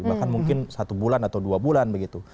bahkan mungkin satu bulan atau dua bulan begitu